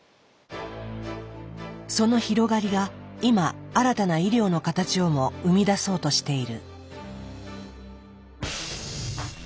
その広がりが今新たな医療の形をも生み出そうとしている。